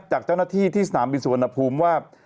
จากเจ้าหน้าที่ที่สนามบินสุวรรณภูมิว่า